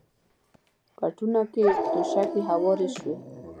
کټونو کې توشکې هوارې شوې.